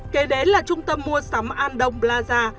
kể đến là trung tâm mua sắm andong plaza